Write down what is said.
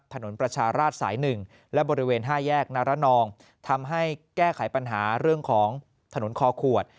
ถนนประชาราชสาย๑และบริเวณ๕แยกนารนองทำให้แก้ไขปัญหาเรื่องของถนนคอขวด